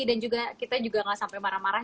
dan juga kita gak sampai marah marah